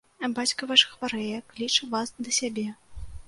Бацька ваш хварэе, кліча вас да сябе.